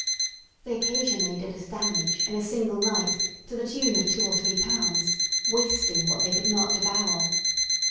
They occasionally did us damage, in a single night, to the tune of two or three pounds wasting what they could not devour.